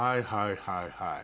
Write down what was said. はいはい。